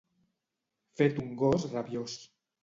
Fet un gos rabiós.